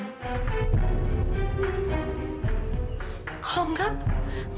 bapaknya rizky itu pasti ayah kamu